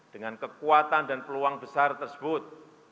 dengan kekuatan dan peluang besar tersebut